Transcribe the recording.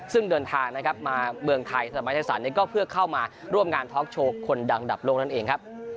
ซึ่งเดินทางนะครับมาเมืองไทยสมาธิสันก็เพื่อเข้ามาร่วมงานท็อกโชว์คนดังระดับโลกนั่นเองครับ